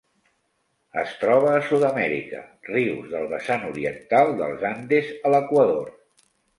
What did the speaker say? Es troba a Sud-amèrica: rius del vessant oriental dels Andes a l'Equador.